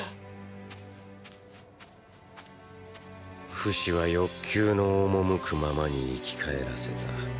フシは欲求の赴くままに生き返らせた。